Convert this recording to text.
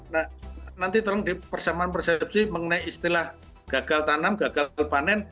nah nanti tolong dipersepsi mengenai istilah gagal tanam gagal panen